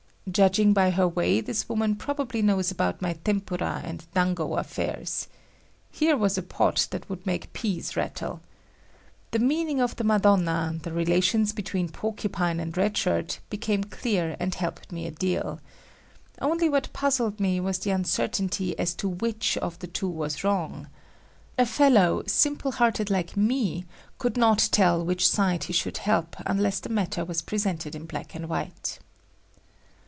Judging by her way, this woman probably knows about my tempura and dango affairs. Here was a pot that would make peas rattle! The meaning of the Madonna, the relations between Porcupine and Red Shirt became clear and helped me a deal. Only what puzzled me was the uncertainty as to which of the two was wrong. A fellow simple hearted like me could not tell which side he should help unless the matter was presented in black and white.